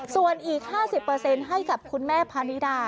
ส่วนอีก๕๐เปอร์เซ็นต์ให้กับคุณแม่พาณิดา